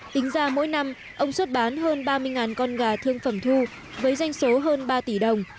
tính ra mỗi năm ông xuất bán hơn ba mươi con gà thương phẩm thu với doanh số hơn ba tỷ đồng